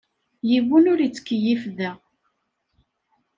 Yiwen ur yettkeyyif da.